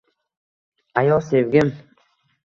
Аyo, sevgim!